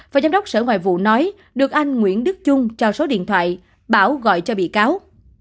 phó giám đốc sở ngoại vụ nói được anh nguyễn đức trung trao số điện thoại bảo gọi cho bị cáo